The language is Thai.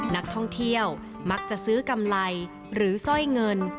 นักท่องเที่ยวมักจะซื้อกำไรหรือสร้อยเงิน